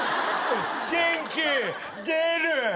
元気出る。